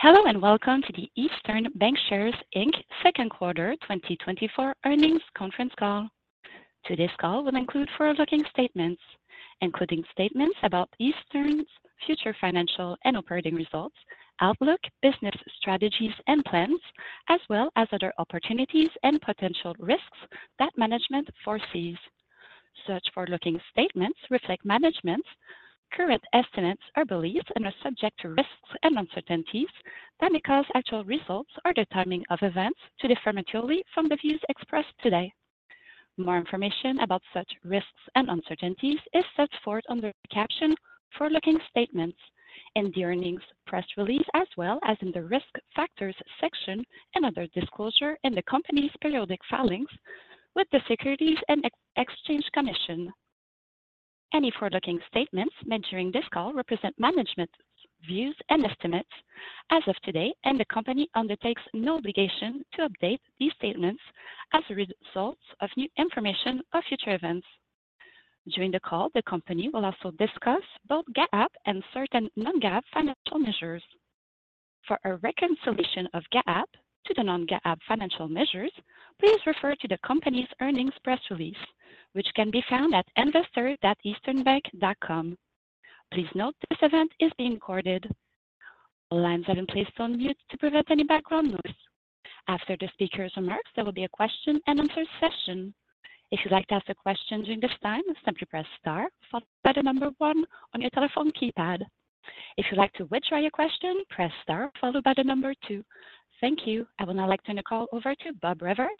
Hello and welcome to the Eastern Bankshares, Inc. Second Quarter 2024 Earnings Conference Call. Today's call will include forward-looking statements, including statements about Eastern's future financial and operating results, outlook, business strategies, and plans, as well as other opportunities and potential risks that management foresees. Such forward-looking statements reflect management's current estimates or beliefs subject to risks and uncertainties that may cause actual results or the timing of events to differ materially from the views expressed today. More information about such risks and uncertainties is set forth under the caption forward-looking statements in the earnings press release, as well as in the risk factors section and other disclosures in the company's periodic filings with the Securities and Exchange Commission. Any forward-looking statements made during this call represent management's views and estimates as of today, and the company undertakes no obligation to update these statements as a result of new information or future events. During the call, the company will also discuss both GAAP and certain non-GAAP financial measures. For a reconciliation of GAAP to the non-GAAP financial measures, please refer to the company's earnings press release, which can be found at investor.easternbank.com. Please note this event is being recorded. All lines have been placed on mute to prevent any background noise. After the speaker's remarks, there will be a question and answer session. If you'd like to ask a question during this time, simply press star followed by the number 1 on your telephone keypad. If you'd like to withdraw your question, press star followed by the number 2. Thank you. I would now like to turn the call over to Bob Rivers,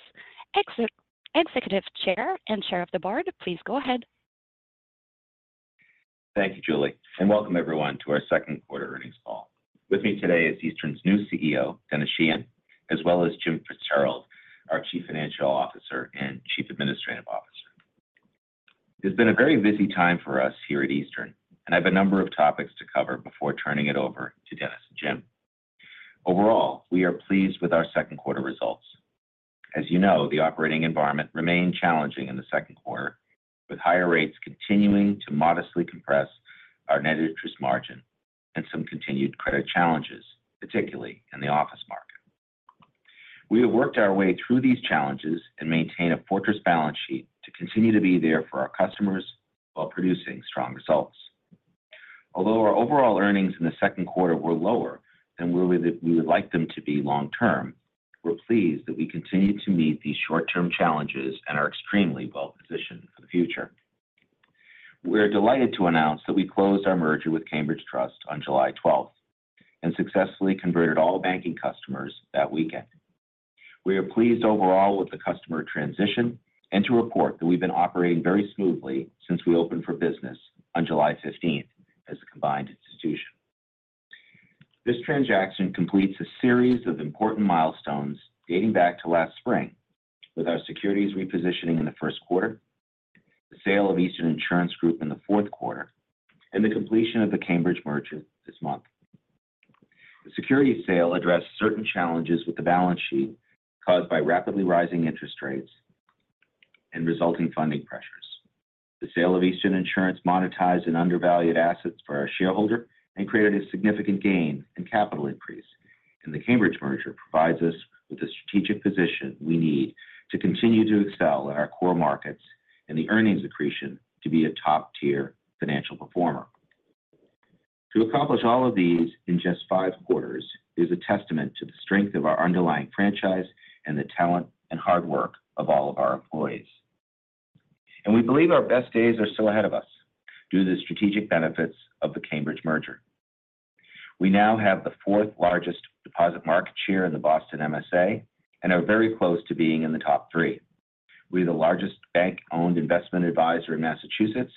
Executive Chair and Chair of the Board. Please go ahead. Thank you, Julie, and welcome everyone to our second quarter earnings call. With me today is Eastern's new CEO, Denis Sheahan, as well as Jim Fitzgerald, our Chief Financial Officer and Chief Administrative Officer. It's been a very busy time for us here at Eastern, and I have a number of topics to cover before turning it over to Denis and Jim. Overall, we are pleased with our second quarter results. As you know, the operating environment remained challenging in the second quarter, with higher rates continuing to modestly compress our net interest margin and some continued credit challenges, particularly in the office market. We have worked our way through these challenges and maintain a fortress balance sheet to continue to be there for our customers while producing strong results. Although our overall earnings in the second quarter were lower than we would like them to be long term, we're pleased that we continue to meet these short-term challenges and are extremely well positioned for the future. We're delighted to announce that we closed our merger with Cambridge Trust on July 12th and successfully converted all banking customers that weekend. We are pleased overall with the customer transition and to report that we've been operating very smoothly since we opened for business on July 15th as a combined institution. This transaction completes a series of important milestones dating back to last spring, with our securities repositioning in the first quarter, the sale of Eastern Insurance Group in the fourth quarter, and the completion of the Cambridge merger this month. The securities sale addressed certain challenges with the balance sheet caused by rapidly rising interest rates and resulting funding pressures. The sale of Eastern Insurance monetized and undervalued assets for our shareholder and created a significant gain and capital increase, and the Cambridge merger provides us with the strategic position we need to continue to excel in our core markets and the earnings accretion to be a top-tier financial performer. To accomplish all of these in just five quarters is a testament to the strength of our underlying franchise and the talent and hard work of all of our employees. We believe our best days are still ahead of us due to the strategic benefits of the Cambridge merger. We now have the fourth largest deposit market share in the Boston MSA and are very close to being in the top three. We are the largest bank-owned investment advisor in Massachusetts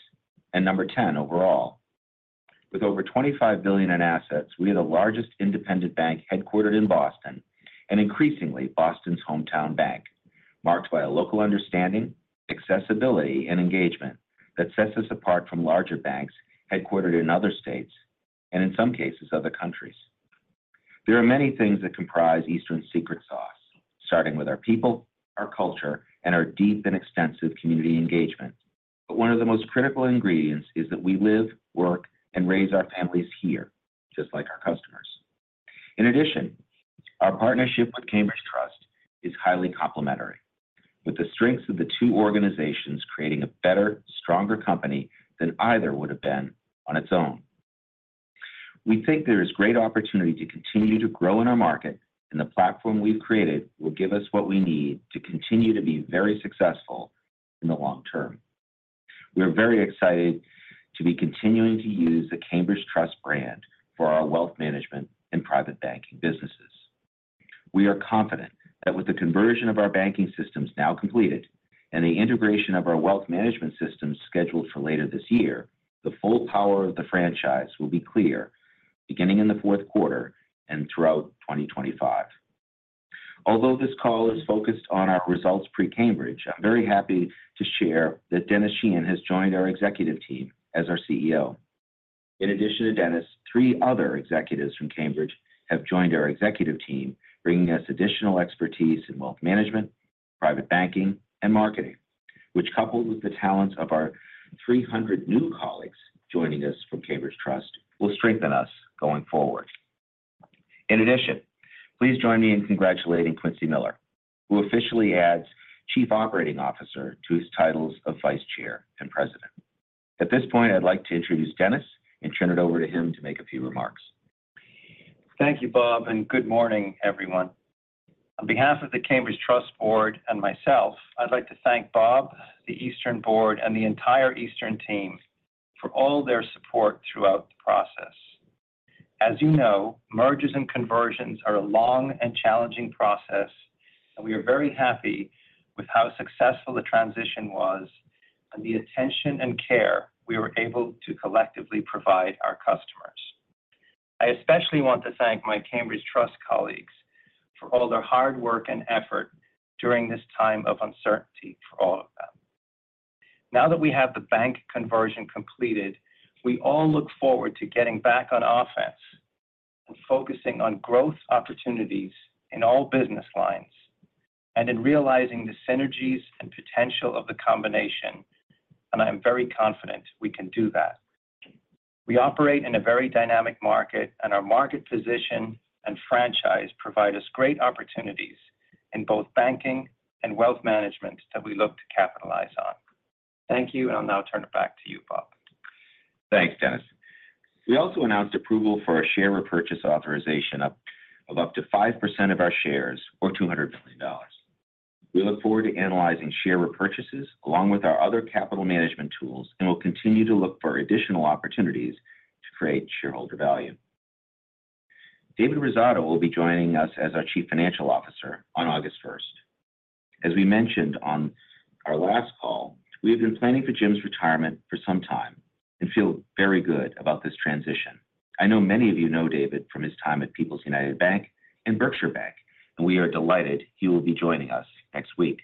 and number 10 overall. With over $25 billion in assets, we are the largest independent bank headquartered in Boston and increasingly Boston's hometown bank, marked by a local understanding, accessibility, and engagement that sets us apart from larger banks headquartered in other states and in some cases other countries. There are many things that comprise Eastern's secret sauce, starting with our people, our culture, and our deep and extensive community engagement. But one of the most critical ingredients is that we live, work, and raise our families here, just like our customers. In addition, our partnership with Cambridge Trust is highly complementary, with the strengths of the two organizations creating a better, stronger company than either would have been on its own. We think there is great opportunity to continue to grow in our market, and the platform we've created will give us what we need to continue to be very successful in the long term. We are very excited to be continuing to use the Cambridge Trust brand for our wealth management and private banking businesses. We are confident that with the conversion of our banking systems now completed and the integration of our wealth management systems scheduled for later this year, the full power of the franchise will be clear beginning in the fourth quarter and throughout 2025. Although this call is focused on our results pre-Cambridge, I'm very happy to share that Denis Sheahan has joined our executive team as our CEO. In addition to Denis, three other executives from Cambridge have joined our executive team, bringing us additional expertise in wealth management, private banking, and marketing, which, coupled with the talents of our 300 new colleagues joining us from Cambridge Trust, will strengthen us going forward. In addition, please join me in congratulating Quincy Miller, who officially adds Chief Operating Officer to his titles of Vice Chair and President. At this point, I'd like to introduce Denis and turn it over to him to make a few remarks. Thank you, Bob, and good morning, everyone. On behalf of the Cambridge Trust Board and myself, I'd like to thank Bob, the Eastern Board, and the entire Eastern team for all their support throughout the process. As you know, mergers and conversions are a long and challenging process, and we are very happy with how successful the transition was and the attention and care we were able to collectively provide our customers. I especially want to thank my Cambridge Trust colleagues for all their hard work and effort during this time of uncertainty for all of them. Now that we have the bank conversion completed, we all look forward to getting back on offense and focusing on growth opportunities in all business lines and in realizing the synergies and potential of the combination, and I'm very confident we can do that. We operate in a very dynamic market, and our market position and franchise provide us great opportunities in both banking and wealth management that we look to capitalize on. Thank you, and I'll now turn it back to you, Bob. Thanks, Denis. We also announced approval for a share repurchase authorization of up to 5% of our shares, or $200 million. We look forward to analyzing share repurchases along with our other capital management tools and will continue to look for additional opportunities to create shareholder value. David Rosato will be joining us as our Chief Financial Officer on August 1st. As we mentioned on our last call, we have been planning for Jim's retirement for some time and feel very good about this transition. I know many of you know David from his time at People's United Bank and Berkshire Bank, and we are delighted he will be joining us next week.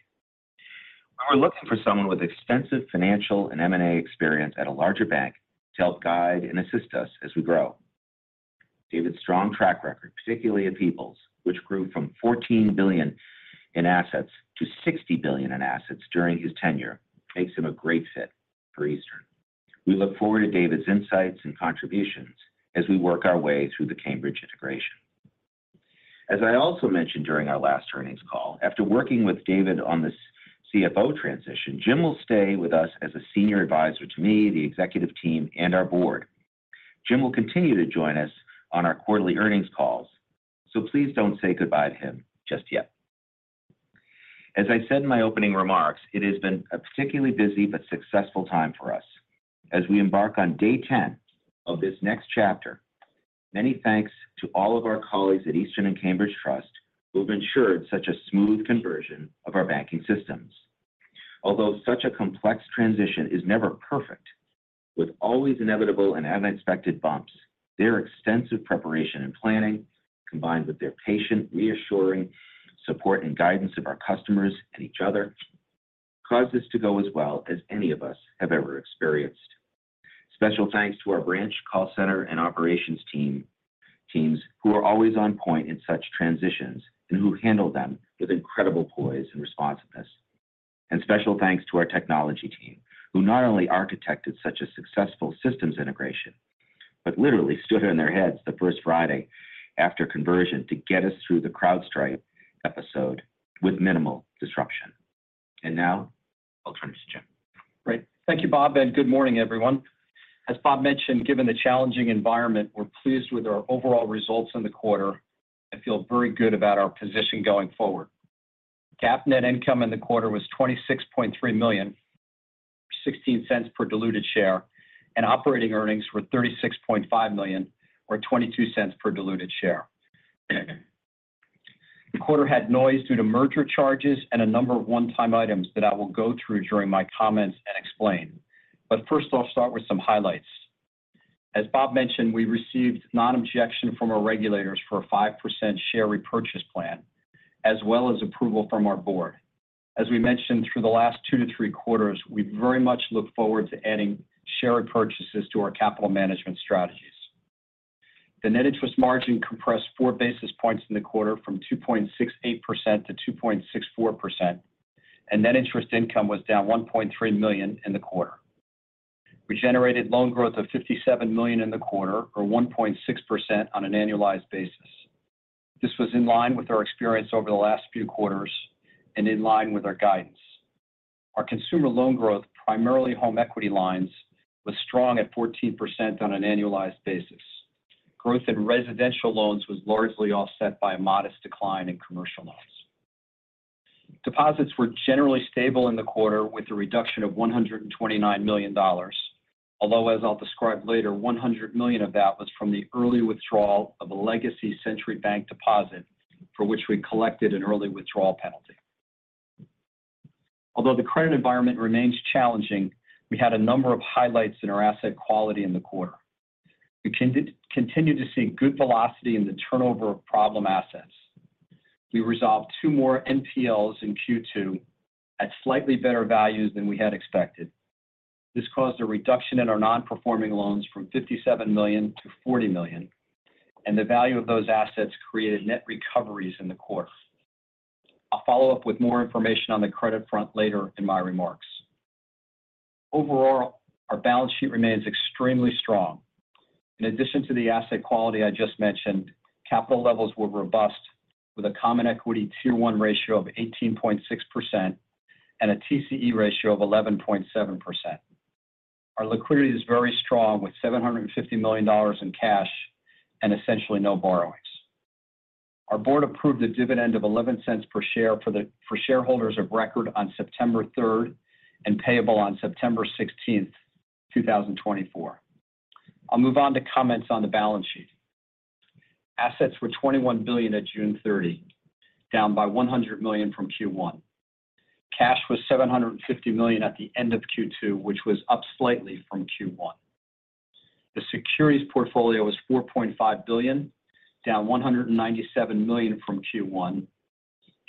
We were looking for someone with extensive financial and M&A experience at a larger bank to help guide and assist us as we grow. David's strong track record, particularly at People's, which grew from $14 billion in assets to $60 billion in assets during his tenure, makes him a great fit for Eastern. We look forward to David's insights and contributions as we work our way through the Cambridge integration. As I also mentioned during our last earnings call, after working with David on the CFO transition, Jim will stay with us as a senior advisor to me, the executive team, and our board. Jim will continue to join us on our quarterly earnings calls, so please don't say goodbye to him just yet. As I said in my opening remarks, it has been a particularly busy but successful time for us as we embark on day 10 of this next chapter. Many thanks to all of our colleagues at Eastern and Cambridge Trust who have ensured such a smooth conversion of our banking systems. Although such a complex transition is never perfect, with always inevitable and unexpected bumps, their extensive preparation and planning, combined with their patient, reassuring support and guidance of our customers and each other, caused this to go as well as any of us have ever experienced. Special thanks to our branch, call center, and operations teams who are always on point in such transitions and who handle them with incredible poise and responsiveness. And special thanks to our technology team who not only architected such a successful systems integration but literally stood on their heads the first Friday after conversion to get us through the CrowdStrike episode with minimal disruption. And now I'll turn it to Jim. Great. Thank you, Bob, and good morning, everyone. As Bob mentioned, given the challenging environment, we're pleased with our overall results in the quarter. I feel very good about our position going forward. GAAP net income in the quarter was $26.3 million, $0.16 per diluted share, and operating earnings were $36.5 million, or $0.22 per diluted share. The quarter had noise due to merger charges and a number of one-time items that I will go through during my comments and explain. But first, I'll start with some highlights. As Bob mentioned, we received non-objection from our regulators for a 5% share repurchase plan, as well as approval from our board. As we mentioned, through the last 2 to 3 quarters, we very much look forward to adding share repurchases to our capital management strategies. The net interest margin compressed four basis points in the quarter from 2.68% to 2.64%, and net interest income was down $1.3 million in the quarter. We generated loan growth of $57 million in the quarter, or 1.6% on an annualized basis. This was in line with our experience over the last few quarters and in line with our guidance. Our consumer loan growth, primarily home equity lines, was strong at 14% on an annualized basis. Growth in residential loans was largely offset by a modest decline in commercial loans. Deposits were generally stable in the quarter with a reduction of $129 million, although, as I'll describe later, $100 million of that was from the early withdrawal of a legacy Century Bank deposit for which we collected an early withdrawal penalty. Although the credit environment remains challenging, we had a number of highlights in our asset quality in the quarter. We continued to see good velocity in the turnover of problem assets. We resolved 2 more NPLs in Q2 at slightly better values than we had expected. This caused a reduction in our non-performing loans from $57 million to $40 million, and the value of those assets created net recoveries in the quarter. I'll follow up with more information on the credit front later in my remarks. Overall, our balance sheet remains extremely strong. In addition to the asset quality I just mentioned, capital levels were robust with a Common Equity Tier 1 ratio of 18.6% and a TCE ratio of 11.7%. Our liquidity is very strong with $750 million in cash and essentially no borrowings. Our board approved a dividend of $0.11 per share for shareholders of record on September 3rd and payable on September 16th, 2024. I'll move on to comments on the balance sheet. Assets were $21 billion at June 30, down by $100 million from Q1. Cash was $750 million at the end of Q2, which was up slightly from Q1. The securities portfolio was $4.5 billion, down $197 million from Q1.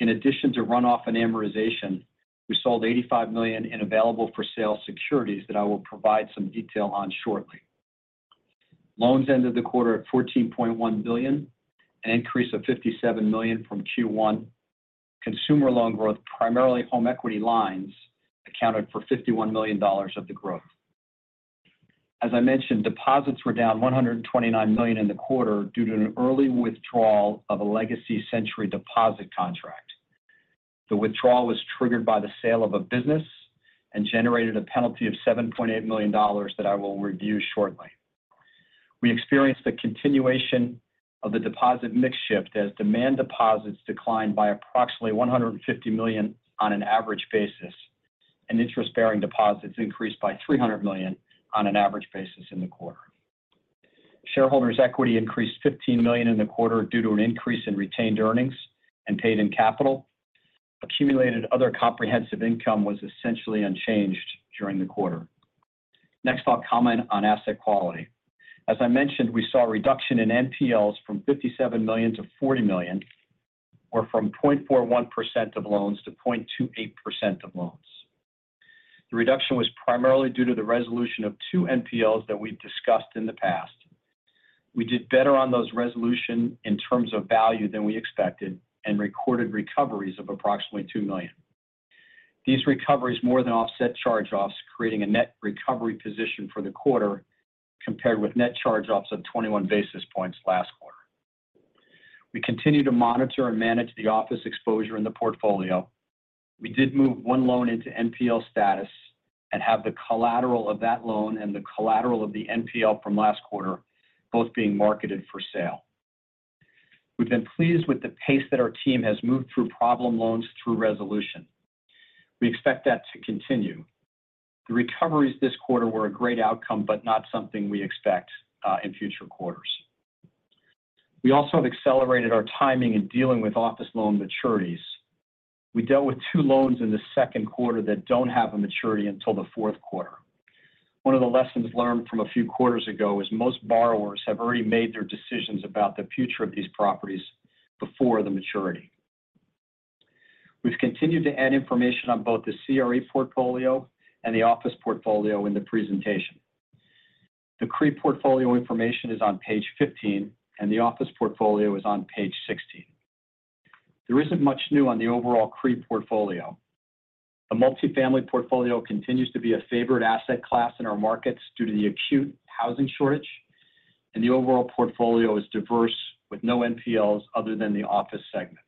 In addition to runoff and amortization, we sold $85 million in available-for-sale securities that I will provide some detail on shortly. Loans ended the quarter at $14.1 billion, an increase of $57 million from Q1. Consumer loan growth, primarily home equity lines, accounted for $51 million of the growth. As I mentioned, deposits were down $129 million in the quarter due to an early withdrawal of a legacy Century deposit contract. The withdrawal was triggered by the sale of a business and generated a penalty of $7.8 million that I will review shortly. We experienced the continuation of the deposit mix shift as demand deposits declined by approximately $150 million on an average basis and interest-bearing deposits increased by $300 million on an average basis in the quarter. Shareholders' equity increased $15 million in the quarter due to an increase in retained earnings and paid-in capital. Accumulated Other Comprehensive Income was essentially unchanged during the quarter. Next, I'll comment on asset quality. As I mentioned, we saw a reduction in NPLs from $57 million to $40 million, or from 0.41% of loans to 0.28% of loans. The reduction was primarily due to the resolution of two NPLs that we've discussed in the past. We did better on those resolutions in terms of value than we expected and recorded recoveries of approximately $2 million. These recoveries more than offset charge-offs, creating a net recovery position for the quarter compared with net charge-offs of 21 basis points last quarter. We continue to monitor and manage the office exposure in the portfolio. We did move one loan into NPL status and have the collateral of that loan and the collateral of the NPL from last quarter both being marketed for sale. We've been pleased with the pace that our team has moved through problem loans through resolution. We expect that to continue. The recoveries this quarter were a great outcome but not something we expect in future quarters. We also have accelerated our timing in dealing with office loan maturities. We dealt with two loans in the second quarter that don't have a maturity until the fourth quarter. One of the lessons learned from a few quarters ago is most borrowers have already made their decisions about the future of these properties before the maturity. We've continued to add information on both the CRE portfolio and the office portfolio in the presentation. The CRE portfolio information is on page 15, and the office portfolio is on page 16. There isn't much new on the overall CRE portfolio. The multifamily portfolio continues to be a favored asset class in our markets due to the acute housing shortage, and the overall portfolio is diverse with no NPLs other than the office segment.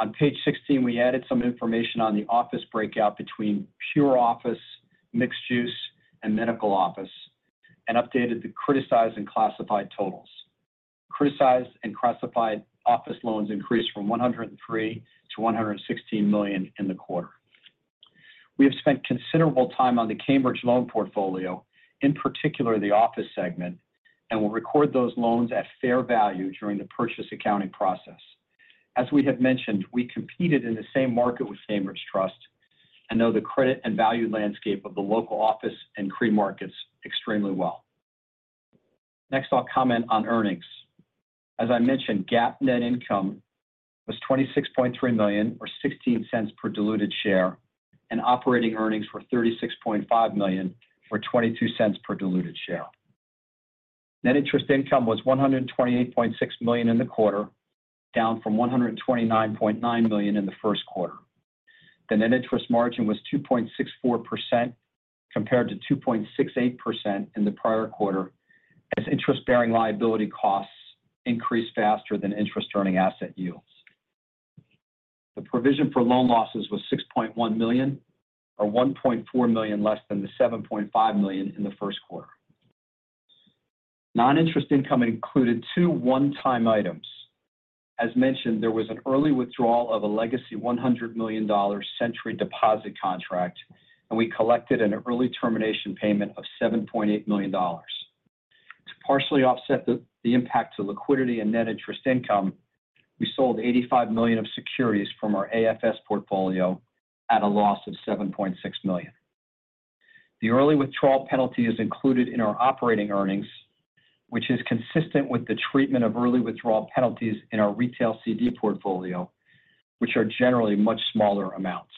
On page 16, we added some information on the office breakout between pure office, mixed-use, and medical office, and updated the criticized and classified totals. Criticized and classified office loans increased from $103 million to $116 million in the quarter. We have spent considerable time on the Cambridge loan portfolio, in particular the office segment, and will record those loans at fair value during the purchase accounting process. As we have mentioned, we competed in the same market with Cambridge Trust and know the credit and value landscape of the local office and CRE markets extremely well. Next, I'll comment on earnings. As I mentioned, GAAP net income was $26.3 million, or $0.16 per diluted share, and operating earnings were $36.5 million, or $0.22 per diluted share. Net interest income was $128.6 million in the quarter, down from $129.9 million in the first quarter. The net interest margin was 2.64% compared to 2.68% in the prior quarter as interest-bearing liability costs increased faster than interest-earning asset yields. The provision for loan losses was $6.1 million, or $1.4 million less than the $7.5 million in the first quarter. Non-interest income included two one-time items. As mentioned, there was an early withdrawal of a legacy $100 million Century deposit contract, and we collected an early termination payment of $7.8 million. To partially offset the impact to liquidity and net interest income, we sold $85 million of securities from our AFS portfolio at a loss of $7.6 million. The early withdrawal penalty is included in our operating earnings, which is consistent with the treatment of early withdrawal penalties in our retail CD portfolio, which are generally much smaller amounts.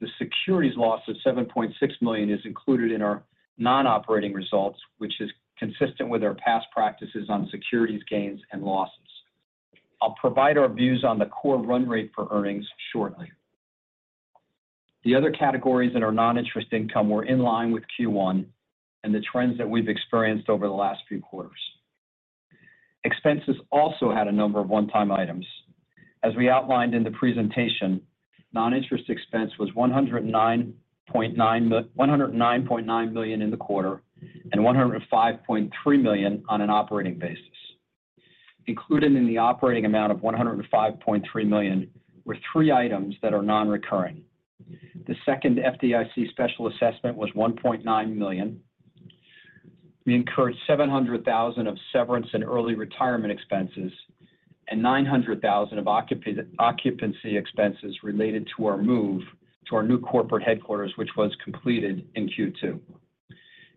The securities loss of $7.6 million is included in our non-operating results, which is consistent with our past practices on securities gains and losses. I'll provide our views on the core run rate for earnings shortly. The other categories in our non-interest income were in line with Q1 and the trends that we've experienced over the last few quarters. Expenses also had a number of one-time items. As we outlined in the presentation, non-interest expense was $109.9 million in the quarter and $105.3 million on an operating basis. Included in the operating amount of $105.3 million were three items that are non-recurring. The second FDIC special assessment was $1.9 million. We incurred $700,000 of severance and early retirement expenses and $900,000 of occupancy expenses related to our move to our new corporate headquarters, which was completed in Q2.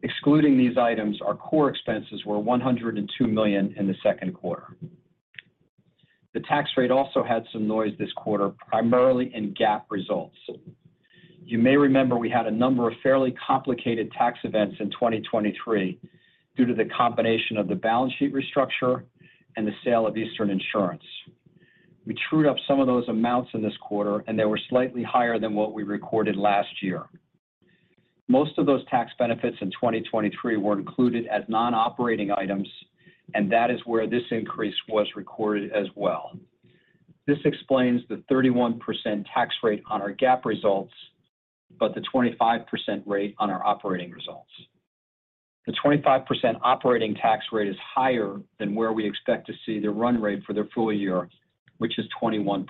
Excluding these items, our core expenses were $102 million in the second quarter. The tax rate also had some noise this quarter, primarily in GAAP results. You may remember we had a number of fairly complicated tax events in 2023 due to the combination of the balance sheet restructure and the sale of Eastern Insurance. We trued up some of those amounts in this quarter, and they were slightly higher than what we recorded last year. Most of those tax benefits in 2023 were included as non-operating items, and that is where this increase was recorded as well. This explains the 31% tax rate on our GAAP results but the 25% rate on our operating results. The 25% operating tax rate is higher than where we expect to see the run rate for the full year, which is 21%.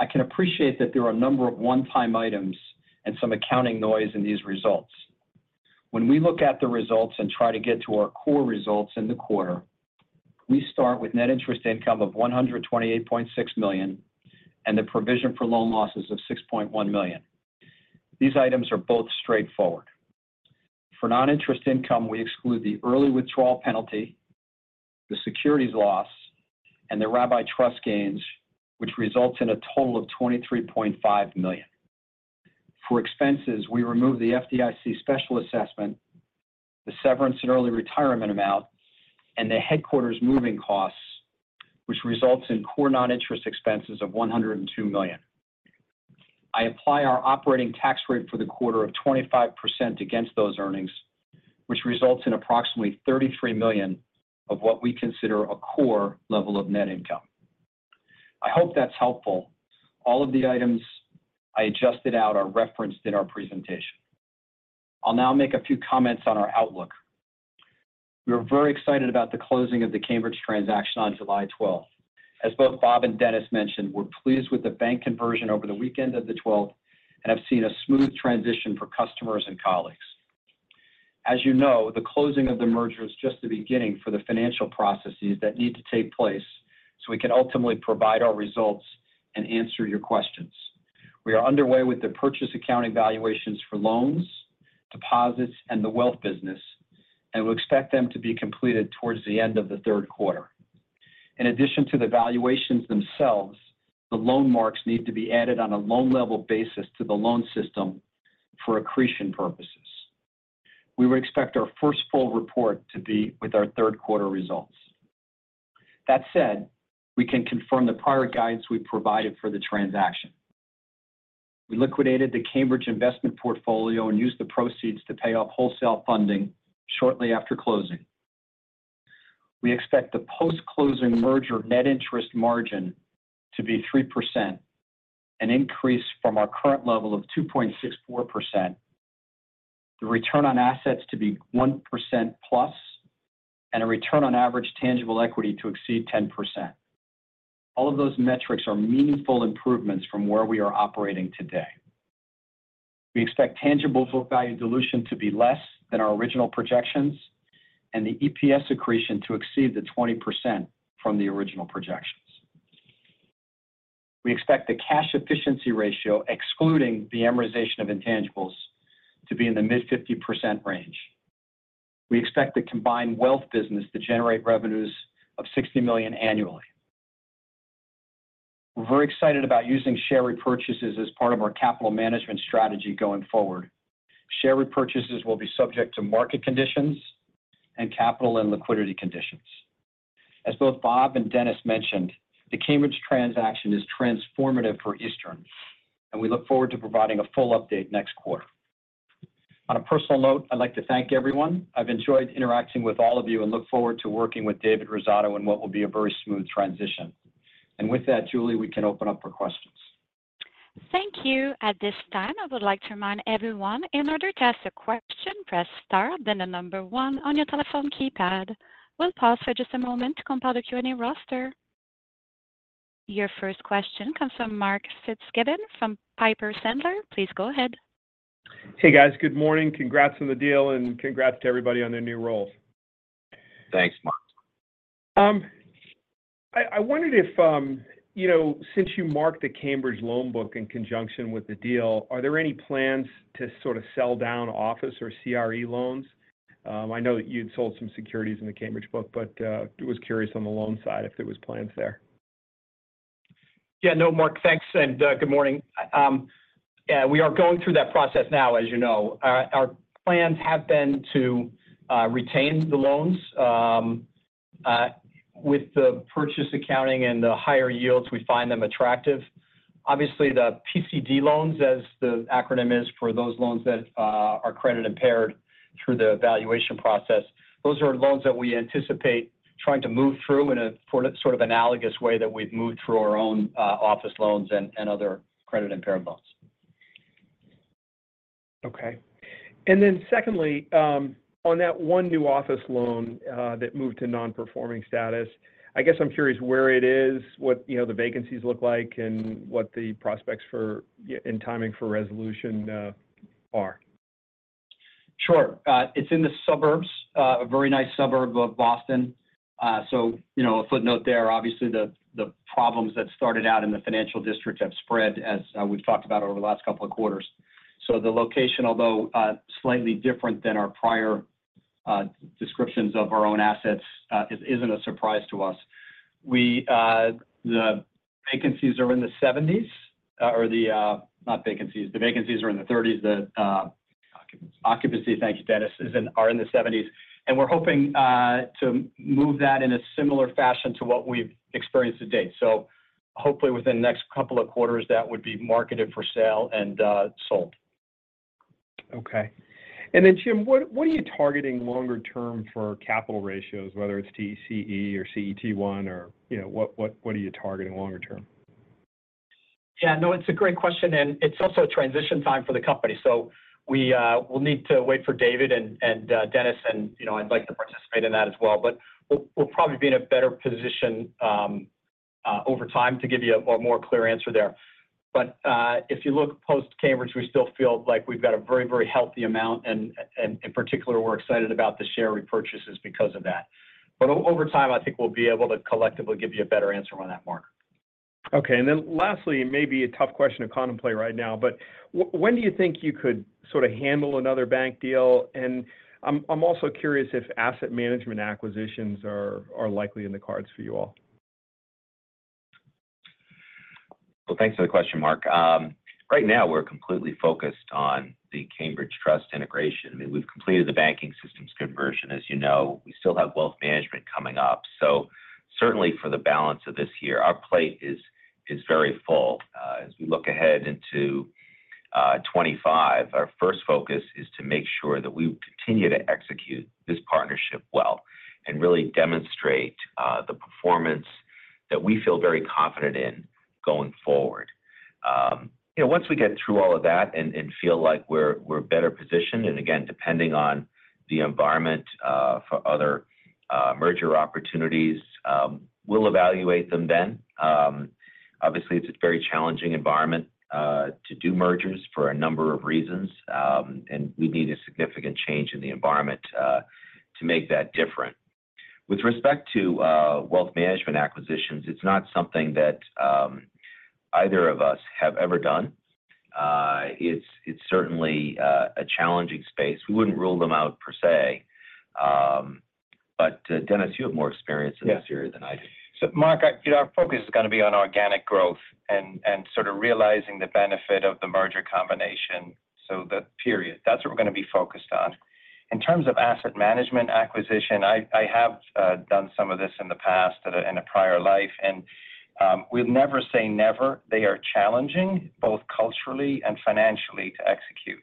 I can appreciate that there are a number of one-time items and some accounting noise in these results. When we look at the results and try to get to our core results in the quarter, we start with net interest income of $128.6 million and the provision for loan losses of $6.1 million. These items are both straightforward. For non-interest income, we exclude the early withdrawal penalty, the securities loss, and the Rabbi Trust gains, which results in a total of $23.5 million. For expenses, we remove the FDIC special assessment, the severance and early retirement amount, and the headquarters moving costs, which results in core non-interest expenses of $102 million. I apply our operating tax rate for the quarter of 25% against those earnings, which results in approximately $33 million of what we consider a core level of net income. I hope that's helpful. All of the items I adjusted out are referenced in our presentation. I'll now make a few comments on our outlook. We were very excited about the closing of the Cambridge transaction on July 12th. As both Bob and Denis mentioned, we're pleased with the bank conversion over the weekend of the 12th and have seen a smooth transition for customers and colleagues. As you know, the closing of the merger is just the beginning for the financial processes that need to take place so we can ultimately provide our results and answer your questions. We are underway with the purchase accounting valuations for loans, deposits, and the wealth business, and we expect them to be completed towards the end of the third quarter. In addition to the valuations themselves, the loan marks need to be added on a loan-level basis to the loan system for accretion purposes. We would expect our first full report to be with our third quarter results. That said, we can confirm the prior guidance we provided for the transaction. We liquidated the Cambridge investment portfolio and used the proceeds to pay off wholesale funding shortly after closing. We expect the post-closing merger net interest margin to be 3%, an increase from our current level of 2.64%, the return on assets to be 1%+, and a return on average tangible equity to exceed 10%. All of those metrics are meaningful improvements from where we are operating today. We expect tangible value dilution to be less than our original projections and the EPS accretion to exceed the 20% from the original projections. We expect the cash efficiency ratio, excluding the amortization of intangibles, to be in the mid-50% range. We expect the combined wealth business to generate revenues of $60 million annually. We're very excited about using share repurchases as part of our capital management strategy going forward. Share repurchases will be subject to market conditions and capital and liquidity conditions. As both Bob and Denis mentioned, the Cambridge transaction is transformative for Eastern, and we look forward to providing a full update next quarter. On a personal note, I'd like to thank everyone. I've enjoyed interacting with all of you and look forward to working with David Rosato in what will be a very smooth transition. And with that, Julie, we can open up for questions. Thank you. At this time, I would like to remind everyone in order to ask a question, press star, then the number one on your telephone keypad. We'll pause for just a moment to compile the Q&A roster. Your first question comes from Mark Fitzgibbon from Piper Sandler. Please go ahead. Hey, guys. Good morning. Congrats on the deal, and congrats to everybody on their new roles. Thanks, Mark. I wondered if, since you marked the Cambridge loan book in conjunction with the deal, are there any plans to sort of sell down office or CRE loans? I know you'd sold some securities in the Cambridge book, but I was curious on the loan side if there were plans there. Yeah. No, Mark, thanks. And good morning. We are going through that process now, as you know. Our plans have been to retain the loans. With the purchase accounting and the higher yields, we find them attractive. Obviously, the PCD loans, as the acronym is for those loans that are credit impaired through the valuation process, those are loans that we anticipate trying to move through in a sort of analogous way that we've moved through our own office loans and other credit impaired loans. Okay. And then secondly, on that one new office loan that moved to non-performing status, I guess I'm curious where it is, what the vacancies look like, and what the prospects in timing for resolution are. Sure. It's in the suburbs, a very nice suburb of Boston. So a footnote there, obviously, the problems that started out in the Financial District have spread, as we've talked about over the last couple of quarters. So the location, although slightly different than our prior descriptions of our own assets, isn't a surprise to us. The vacancies are in the 70s or the not vacancies. The vacancies are in the 30s. The occupancy. Thank you, Denis. Are in the 70s. And we're hoping to move that in a similar fashion to what we've experienced to date. So hopefully, within the next couple of quarters, that would be marketed for sale and sold. Okay. And then, Jim, what are you targeting longer term for capital ratios, whether it's TCE or CET1, or what are you targeting longer term? Yeah. No, it's a great question. And it's also a transition time for the company. So we'll need to wait for David and Denis, and I'd like to participate in that as well. But we'll probably be in a better position over time to give you a more clear answer there. But if you look post-Cambridge, we still feel like we've got a very, very healthy amount, and in particular, we're excited about the share repurchases because of that. But over time, I think we'll be able to collectively give you a better answer on that, Mark. Okay. And then lastly, maybe a tough question to contemplate right now, but when do you think you could sort of handle another bank deal? I'm also curious if asset management acquisitions are likely in the cards for you all. Well, thanks for the question, Mark. Right now, we're completely focused on the Cambridge Trust integration. I mean, we've completed the banking systems conversion, as you know. We still have wealth management coming up. So certainly, for the balance of this year, our plate is very full. As we look ahead into 2025, our first focus is to make sure that we continue to execute this partnership well and really demonstrate the performance that we feel very confident in going forward. Once we get through all of that and feel like we're better positioned, and again, depending on the environment for other merger opportunities, we'll evaluate them then. Obviously, it's a very challenging environment to do mergers for a number of reasons, and we need a significant change in the environment to make that different. With respect to wealth management acquisitions, it's not something that either of us have ever done. It's certainly a challenging space. We wouldn't rule them out per se. But Denis, you have more experience in this area than I do. So Mark, our focus is going to be on organic growth and sort of realizing the benefit of the merger combination. So the period. That's what we're going to be focused on. In terms of asset management acquisition, I have done some of this in the past in a prior life. And we'll never say never. They are challenging both culturally and financially to execute.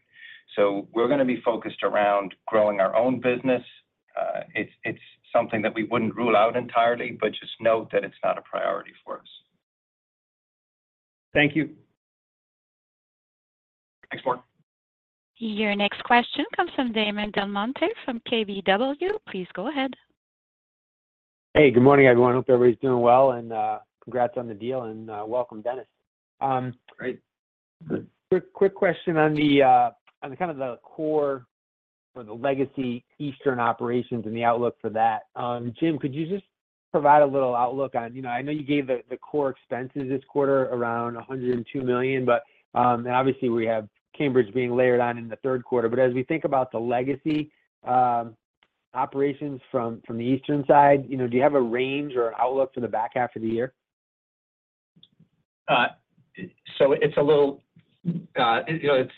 So we're going to be focused around growing our own business. It's something that we wouldn't rule out entirely, but just note that it's not a priority for us. Thank you. Thanks, Mark. Your next question comes from Damon Del Monte from KBW. Please go ahead. Hey, good morning, everyone. I hope everybody's doing well. And congrats on the deal, and welcome, Denis. Great. Quick question on kind of the core or the legacy Eastern operations and the outlook for that. Jim, could you just provide a little outlook on, I know you gave the core expenses this quarter around $102 million, and obviously, we have Cambridge being layered on in the third quarter. But as we think about the legacy operations from the Eastern side, do you have a range or an outlook for the back half of the year? So it's a little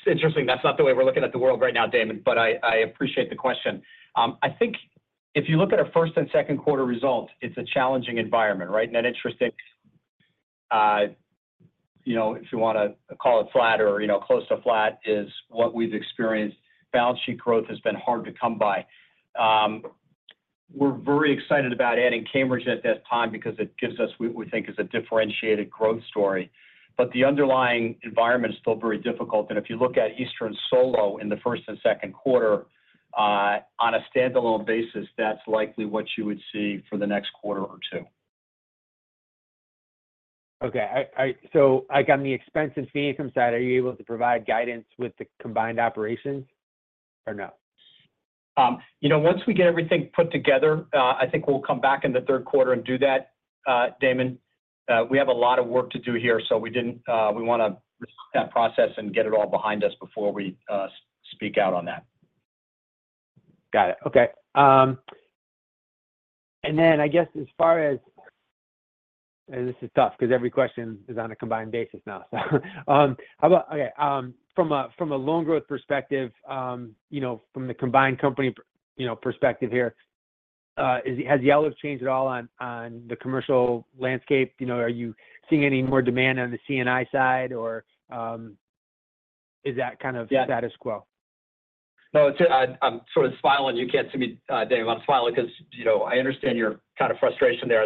interesting. That's not the way we're looking at the world right now, Damon, but I appreciate the question. I think if you look at our first and second quarter results, it's a challenging environment, right? And an interesting, if you want to call it flat or close to flat, is what we've experienced. Balance sheet growth has been hard to come by. We're very excited about adding Cambridge at this time because it gives us what we think is a differentiated growth story. But the underlying environment is still very difficult. And if you look at Eastern solo in the first and second quarter, on a standalone basis, that's likely what you would see for the next quarter or two. Okay. So on the expense and fee income side, are you able to provide guidance with the combined operations or no? Once we get everything put together, I think we'll come back in the third quarter and do that, Damon. We have a lot of work to do here, so we want to start that process and get it all behind us before we speak out on that. Got it. Okay. And then I guess as far as, and this is tough because every question is on a combined basis now, so. Okay. From a loan growth perspective, from the combined company perspective here, has the outlook changed at all on the commercial landscape? Are you seeing any more demand on the C&I side, or is that kind of status quo? No, I'm sort of smiling. You can't see me, Damon. I'm smiling because I understand your kind of frustration there.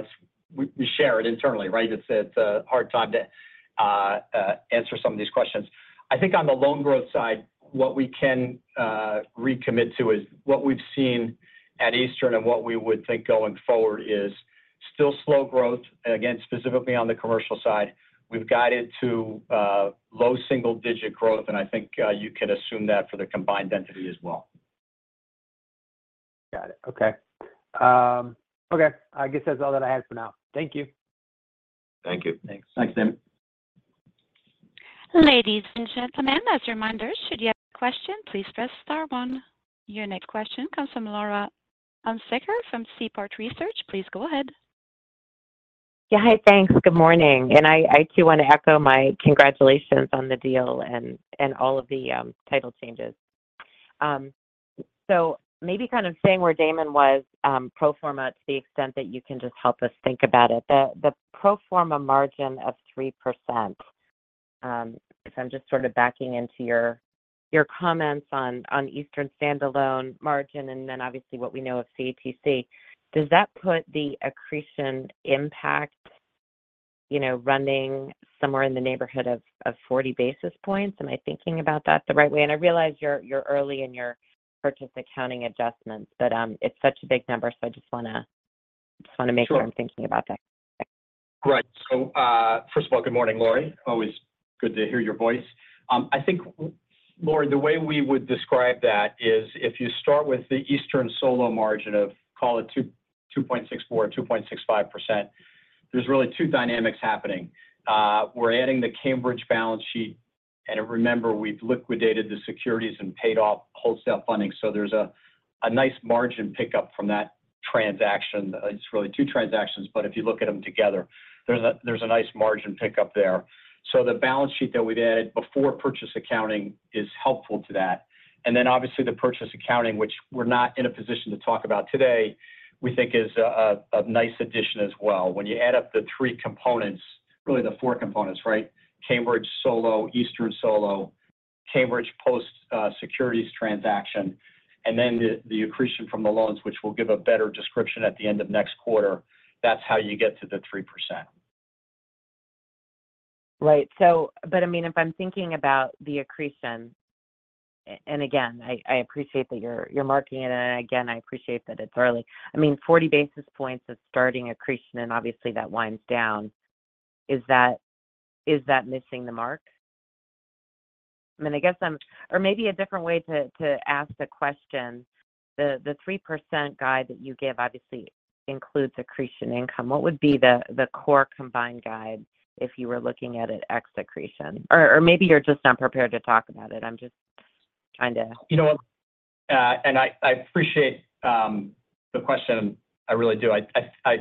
We share it internally, right? It's a hard time to answer some of these questions. I think on the loan growth side, what we can recommit to is what we've seen at Eastern and what we would think going forward is still slow growth. And again, specifically on the commercial side, we've guided to low single-digit growth, and I think you can assume that for the combined entity as well. Got it. Okay. Okay. I guess that's all that I have for now. Thank you. Thank you. Thanks, Damon. Ladies and gentlemen, as a reminder, should you have a question, please press star one. Your next question comes from Laurie Hunsicker from Seaport Research. Please go ahead. Yeah. Hi, thanks. Good morning. And I do want to echo my congratulations on the deal and all of the title changes. So maybe kind of saying where Damon was pro forma to the extent that you can just help us think about it. The pro forma margin of 3%, if I'm just sort of backing into your comments on Eastern standalone margin and then obviously what we know of CATC, does that put the accretion impact running somewhere in the neighborhood of 40 basis points? Am I thinking about that the right way? And I realize you're early in your purchase accounting adjustments, but it's such a big number, so I just want to make sure I'm thinking about that. Right. So first of all, good morning, Laurie. Always good to hear your voice. I think, Laurie, the way we would describe that is if you start with the Eastern solo margin of, call it 2.64 or 2.65%, there's really two dynamics happening. We're adding the Cambridge balance sheet, and remember, we've liquidated the securities and paid off wholesale funding. So there's a nice margin pickup from that transaction. It's really two transactions, but if you look at them together, there's a nice margin pickup there. So the balance sheet that we've added before purchase accounting is helpful to that. And then obviously, the purchase accounting, which we're not in a position to talk about today, we think is a nice addition as well. When you add up the three components, really the four components, right? Cambridge solo, Eastern solo, Cambridge post-securities transaction, and then the accretion from the loans, which will give a better description at the end of next quarter, that's how you get to the 3%. Right. But I mean, if I'm thinking about the accretion, and again, I appreciate that you're marking it, and again, I appreciate that it's early. I mean, 40 basis points is starting accretion, and obviously, that winds down. Is that missing the mark? I mean, I guess I'm or maybe a different way to ask the question. The 3% guide that you give obviously includes accretion income. What would be the core combined guide if you were looking at it ex accretion? Or maybe you're just not prepared to talk about it. I'm just trying to. You know what? And I appreciate the question. I really do. I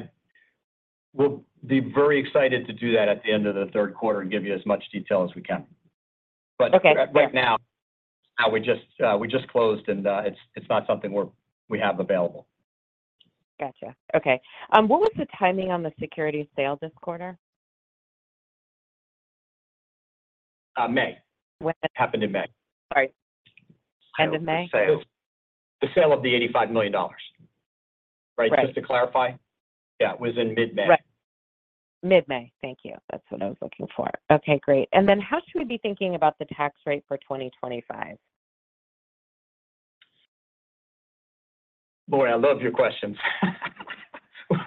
will be very excited to do that at the end of the third quarter and give you as much detail as we can. But right now, we just closed, and it's not something we have available. Gotcha. Okay. What was the timing on the security sale this quarter? May. What happened in May? Sorry. End of May? The sale of the $85 million, right? Just to clarify. Yeah. It was in mid-May. Right. Mid-May. Thank you. That's what I was looking for. Okay. Great. And then how should we be thinking about the tax rate for 2025? Laurie, I love your questions.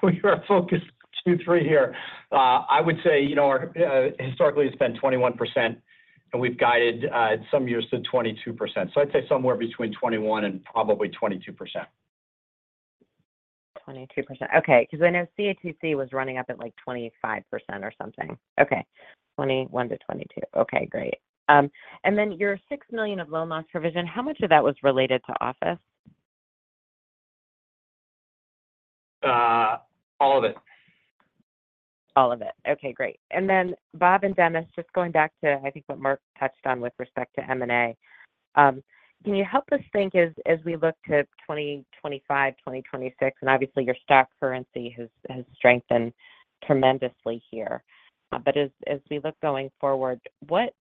We are focused 2, 3 here. I would say historically, it's been 21%, and we've guided some years to 22%. So I'd say somewhere between 21% and probably 22%. 22%. Okay. Because I know CATC was running up at like 25% or something. Okay. 21%-22%. Okay. Great. And then your $6 million of loan loss provision, how much of that was related to office? All of it. All of it. Okay. Great. And then Bob and Denis, just going back to, I think, what Mark touched on with respect to M&A, can you help us think as we look to 2025, 2026? And obviously, your stock currency has strengthened tremendously here. But as we look going forward, what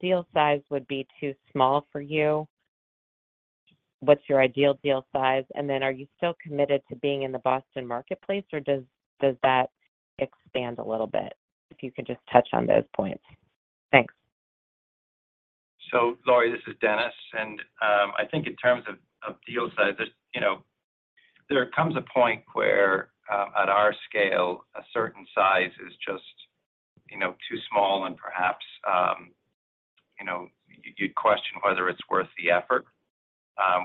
deal size would be too small for you? What's your ideal deal size? And then are you still committed to being in the Boston marketplace, or does that expand a little bit? If you could just touch on those points. Thanks. So Laurie, this is Denis. And I think in terms of deal size, there comes a point where at our scale, a certain size is just too small, and perhaps you'd question whether it's worth the effort.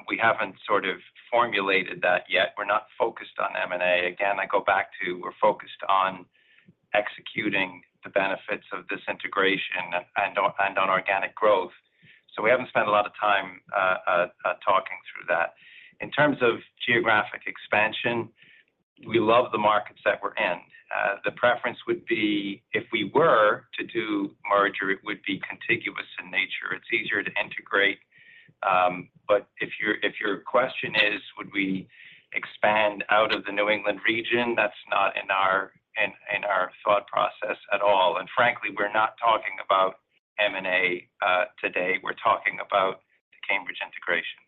We haven't sort of formulated that yet. We're not focused on M&A. Again, I go back to we're focused on executing the benefits of this integration and on organic growth. So we haven't spent a lot of time talking through that. In terms of geographic expansion, we love the markets that we're in. The preference would be if we were to do merger, it would be contiguous in nature. It's easier to integrate. But if your question is, would we expand out of the New England region, that's not in our thought process at all. And frankly, we're not talking about M&A today. We're talking about the Cambridge integration.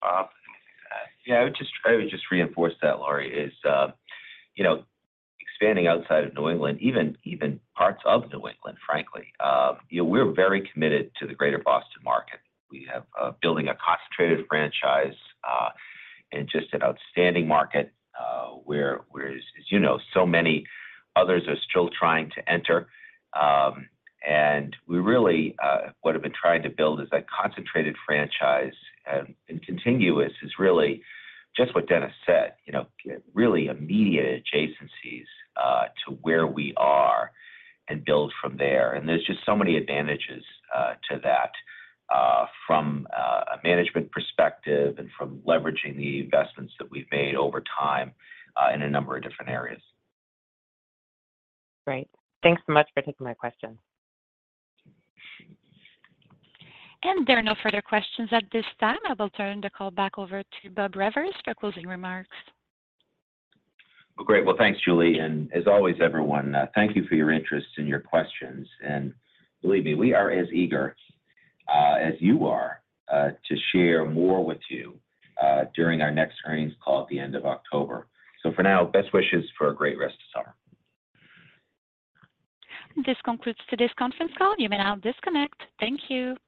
Bob, anything to add? Yeah. I would just reinforce that, Laurie, is expanding outside of New England, even parts of New England, frankly. We're very committed to the greater Boston market. We have building a concentrated franchise and just an outstanding market where, as you know, so many others are still trying to enter. And we really what have been trying to build is that concentrated franchise, and contiguous is really just what Denis said, really immediate adjacencies to where we are and build from there. And there's just so many advantages to that from a management perspective and from leveraging the investments that we've made over time in a number of different areas. Great. Thanks so much for taking my question. And there are no further questions at this time. I will turn the call back over to Bob Rivers for closing remarks. Well, great. Well, thanks, Julie. And as always, everyone, thank you for your interest and your questions. And believe me, we are as eager as you are to share more with you during our next earnings call at the end of October. So for now, best wishes for a great rest of summer. This concludes today's conference call. You may now disconnect. Thank you.